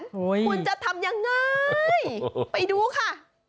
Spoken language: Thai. คุณจะทำยังไงไปดูค่ะ